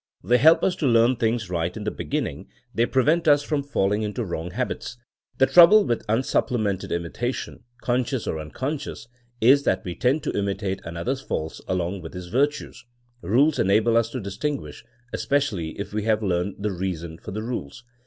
They help us to leam things right in the beginning; they prevent us from falling into wrong habits. The trouble with unsupple mented imitation, conscious or unconscious, is that we tend to imitate another's faults along with his virtues. Eules enable us to distinguish, especially if we have learned the reason for the rules.